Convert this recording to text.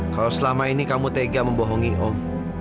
kalau selama ini kamu tega membohongi om